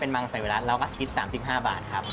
เป็นมังสายวิรัติแล้วก็ชิด๓๕บาทครับ